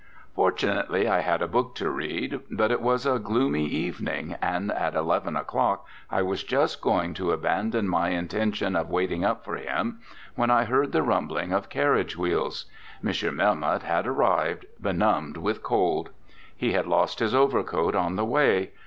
Fortunately I had a book to read, but it was a gloomy evening, and at eleven o'clock I was just going to abandon my intention of waiting up for him when I heard the rumbling of carriage wheels. M. Melmoth had arrived, benumbed with cold. He had lost his overcoat on the way.